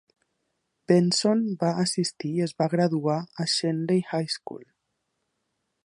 Benson va assistir i es va graduar a "Schenley High School".